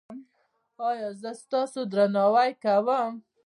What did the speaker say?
ایا زه ستاسو درناوی کوم؟